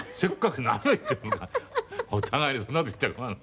お互いにそんな事言っちゃ困る。